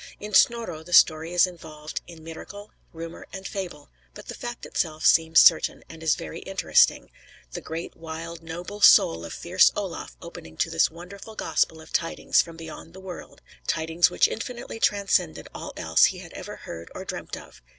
In Snorro the story is involved in miracle, rumor, and fable; but the fact itself seems certain, and is very interesting; the great, wild, noble soul of fierce Olaf opening to this wonderful gospel of tidings from beyond the world, tidings which infinitely transcended all else he had ever heard or dreamt of!